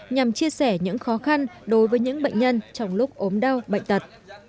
nhằm chia sẻ những khó khăn đối với những bệnh nhân trong lúc ốm đau bệnh tật